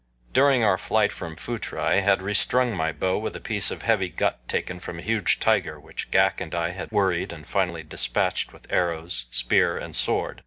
During our flight from Phutra I had restrung my bow with a piece of heavy gut taken from a huge tiger which Ghak and I had worried and finally dispatched with arrows, spear, and sword.